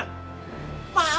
keluarin pak arman